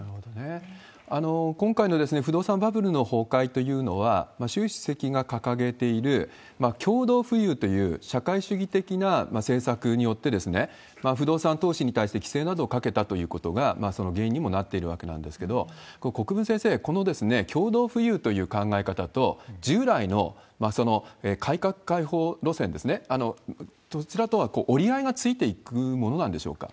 今回の不動産バブルの崩壊というのは、習主席が掲げている共同富裕という社会主義的な政策によって、不動産投資に対して規制などをかけたということが、その原因にもなっているわけなんですけれども、国分先生、この共同富裕という考え方と、従来の改革開放路線ですね、そちらとは折り合いがついていくものなんでしょうか？